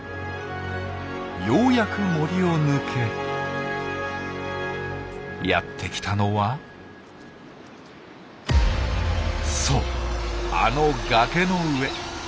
ようやく森を抜けやって来たのはそうあの崖の上。